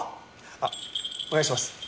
あお願いします。